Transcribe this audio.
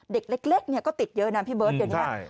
เด็กเล็กก็ติดเยอะนะพี่เบิร์ตเดี๋ยวนี้